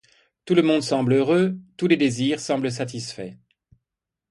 Tout le monde semble heureux, tous les désirs semblent satisfaits.